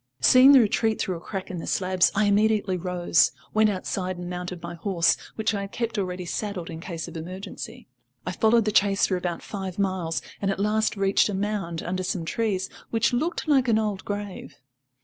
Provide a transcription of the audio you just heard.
Seeing the retreat through a crack in the slabs, I immediately rose, went outside and mounted my horse, which I had kept ready saddled in case of emergency. I followed the chase for about five miles, and at last reached a mound under some trees, which looked like an old grave.